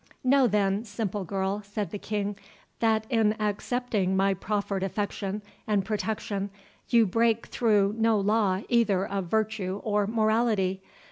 "Know then, simple girl," said the King, "that in accepting my proffered affection and protection, you break through no law either of virtue or morality.